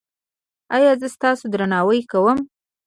ایا زه ستاسو درناوی کوم؟